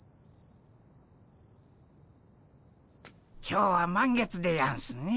今日は満月でやんすね。